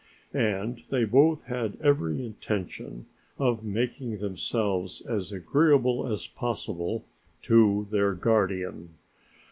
And they both had every intention of making themselves as agreeable as possible to their guardian.